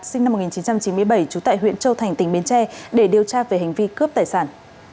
sinh năm một nghìn chín trăm chín mươi bảy trú tại huyện châu thành tỉnh bến tre để điều tra về hành vi cướp tài sản